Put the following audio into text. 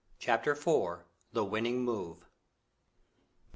CHAPTER IV. THE WINNING MOVE.